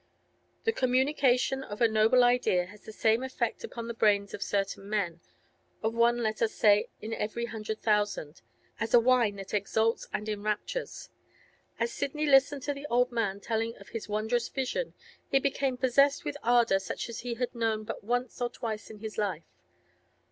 The communication of a noble idea has the same effect upon the brains of certain men—of one, let us say, in every hundred thousand—as a wine that exalts and enraptures. As Sidney listened to the old man telling of his wondrous vision, he became possessed with ardour such as he had known but once or twice in his life.